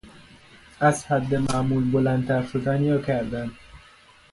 از حد معمول بلندتر شدن یا کردن